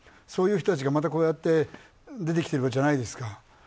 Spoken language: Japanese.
そういう人たちがまたこうやって出てきてるじゃないですか。